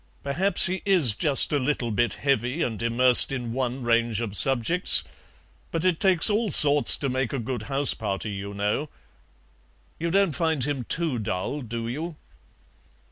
Perhaps he is just a little bit heavy and immersed in one range of subjects, but it takes all sorts to make a good house party, you know. You don't find him TOO dull, do you?"